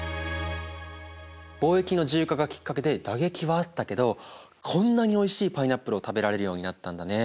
貿易の自由化がきっかけで打撃はあったけどこんなにおいしいパイナップルを食べられるようになったんだね。